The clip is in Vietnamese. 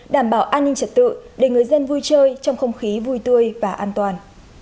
đảm bảo an ninh trật tự để người dân vui chơi trong không khí vui tươi và an toàn